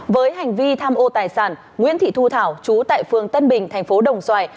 với hành vi tham ô tài sản nguyễn thị thu thảo chú tại phường tân bình thành phố đồng xoài